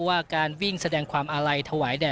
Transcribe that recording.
ว่าการวิ่งแสดงความอาลัยถวายแด่